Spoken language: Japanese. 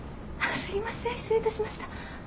すいません失礼いたしました。